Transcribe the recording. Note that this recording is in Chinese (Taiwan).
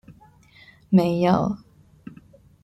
沒有